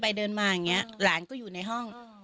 เดินมาอย่างนี้หลานก็อยู่ในห้อง